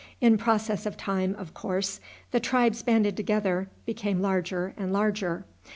In process of time, of course, the tribes banded together became larger and larger.